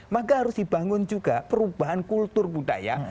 maka harus dibangun juga perubahan kultur budaya